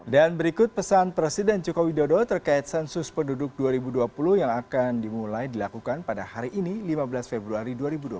dan berikut pesan presiden joko widodo terkait sensus penduduk dua ribu dua puluh yang akan dimulai dilakukan pada hari ini lima belas februari dua ribu dua puluh